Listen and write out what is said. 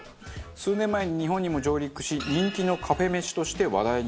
数年前に日本にも上陸し人気のカフェ飯として話題になっています。